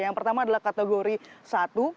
yang pertama adalah kategori satu